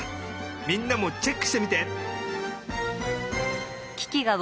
みんなもチェックしてみて！